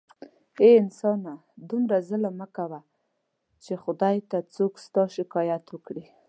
اې انسانه دومره ظلم مه کوه چې خدای ته څوک ستا شکایت وکړي